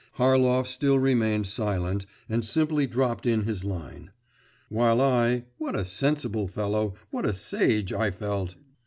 Harlov still remained silent, and simply dropped in his line; while I what a sensible fellow, what a sage I felt!